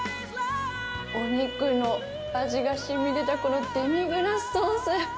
お肉の味がしみでてたこのデミグラスソース。